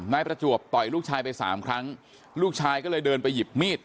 ประจวบต่อยลูกชายไปสามครั้งลูกชายก็เลยเดินไปหยิบมีด